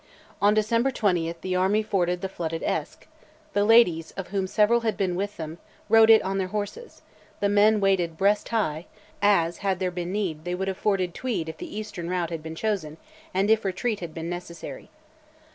On December 20 the army forded the flooded Esk; the ladies, of whom several had been with them, rode it on their horses: the men waded breast high, as, had there been need, they would have forded Tweed if the eastern route had been chosen, and if retreat had been necessary.